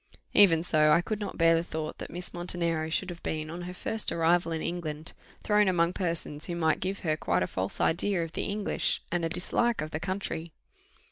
Even so I could not bear the thought that Miss Montenero should have been, on her first arrival in England, thrown among persons who might give her quite a false idea of the English, and a dislike to the country.